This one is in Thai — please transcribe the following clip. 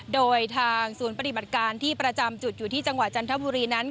โดยทางศูนย์ปฏิบัติการที่ประจำจุดอยู่ที่จังหวัดจันทบุรีนั้น